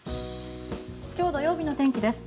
今日土曜日の天気です。